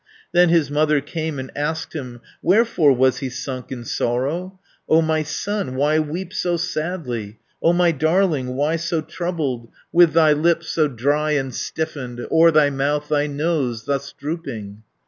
Then his mother came and asked him Wherefore was he sunk in sorrow. "O my son, why weep so sadly? O my darling, why so troubled, With thy lips so dry and stiffened, O'er thy mouth thy nose thus drooping?"